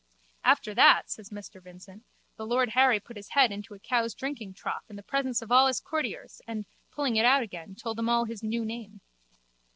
After that, says Mr Vincent, the lord Harry put his head into a cow's drinkingtrough in the presence of all his courtiers and pulling it out again told them all his new name.